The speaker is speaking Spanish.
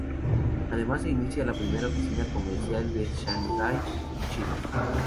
Además se inicia la primera oficina comercial en Shanghai, China.